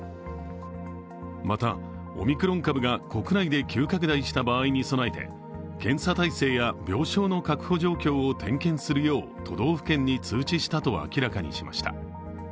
また、オミクロン株が国内で急拡大した場合に備えて検査体制や病床の確保状況を点検するよう都道府県に通知したと明らかにしました。